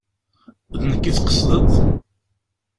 D nekk i d-tqesdeḍ?